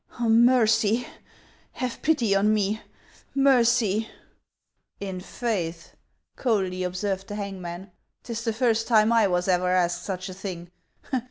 " Mercy .' Have pity on me ! Mercy !"" I' faith," coldly observed the hangman, "'tis the first time I was ever asked such a thing.